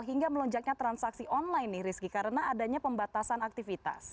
hingga melonjaknya transaksi online nih rizky karena adanya pembatasan aktivitas